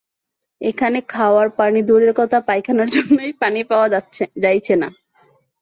এইখানে খাওয়ার পানি দূরের কথা, পায়খানার জন্যেই পানি পাওয়া যাইছে না।